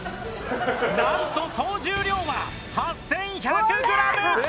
なんと総重量は８１００グラム！